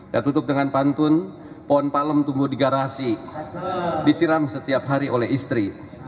dan tutup dengan pantun pohon palem tumbuh di garasi disiram setiap hari oleh istri